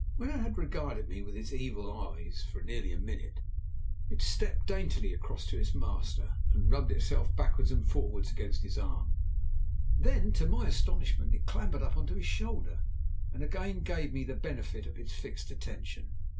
When it had regarded me with its evil eyes for nearly a minute, it stepped daintily across to its master, and rubbed itself backwards and forwards against his arm, then to my astonishment it clambered up on to his shoulder and again gave me the benefit of its fixed attention.